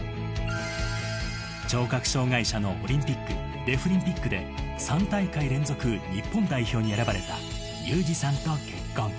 聴覚障がい者のオリンピック、デフリンピックで、３大会連続日本代表に選ばれた裕士さんと結婚。